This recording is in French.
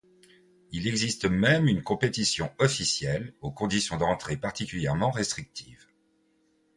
Il existe même une compétition officielle, aux conditions d'entrée particulièrement restrictives.